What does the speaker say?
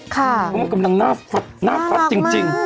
ก็มันกำลังน่าฟัดน่าฟัดจริง